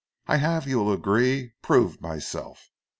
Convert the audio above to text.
I have, you will agree, proved myself.